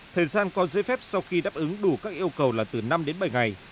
thời gian có giấy phép sau khi đáp ứng đủ các yêu cầu là từ năm đến bảy ngày